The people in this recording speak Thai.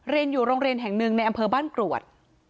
เรียนอยู่โรงเรียนแห่งหนึ่งในอำเภอบ้านกรวด